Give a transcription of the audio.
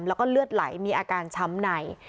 แล้วก็เลือดไหลมีอาการช้ำใน